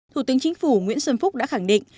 thủ tướng chính phủ nguyễn xuân phúc đã khẳng định